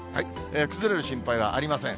崩れる心配はありません。